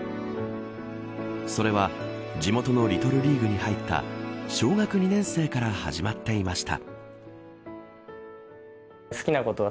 それは地元のリトルリーグに入った小学２年生から始まっていました。